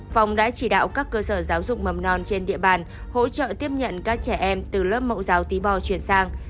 phòng đã chỉ đạo các cơ sở giáo dục mầm non trên địa bàn hỗ trợ tiếp nhận các trẻ em từ lớp mẫu giáo tí bò chuyển sang